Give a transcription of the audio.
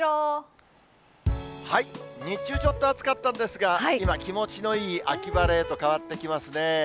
日中、ちょっと暑かったんですが、今、気持ちのいい秋晴れへと変わっていきますね。